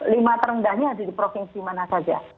lima terendahnya ada di provinsi mana saja